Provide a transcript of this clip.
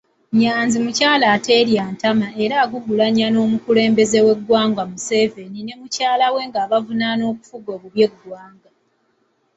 Nyanzi mukyala aterya ntama era agugulanye n'omukulembeze w'eggwanga Museveni ne mukyalawe ng'abavunaana okufuga obubi eggwanga.